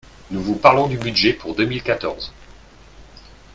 Nous vous parlons du budget pour deux mille quatorze